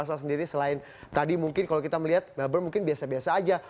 asal sendiri selain tadi mungkin kalau kita melihat melbourne mungkin biasa biasa aja